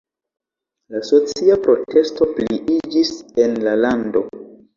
La socia protesto pliiĝis en la lando.